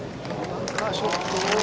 バンカーショットを。